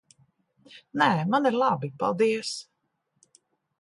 Nē, man ir labi. Paldies.